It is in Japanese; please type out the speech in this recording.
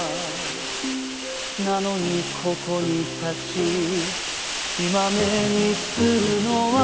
「なのにここにたちいまめにするのは」